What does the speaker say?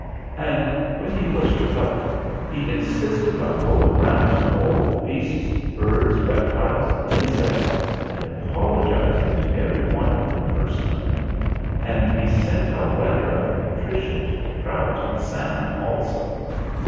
And when he was recovered, he insisted on going round to all the beasts, birds, reptiles, and insects, and apologising to every one of them personally; and he sent a letter of con trition to the trout and salmon also.